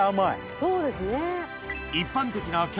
そうですね。